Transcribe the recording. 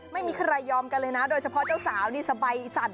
ไม่ยอมกันเลยนะโดยเฉพาะเจ้าสาวนี่สบายสั่น